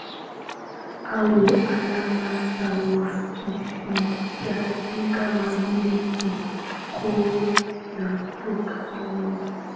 au alama za uakifishaji kama vile kituo na nukta-nusu